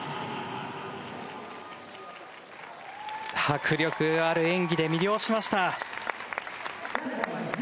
迫力ある演技で魅了しました。